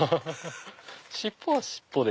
尻尾は尻尾で。